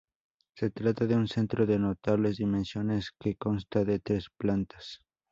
Se trata de un centro de notables dimensiones que consta de tres plantas.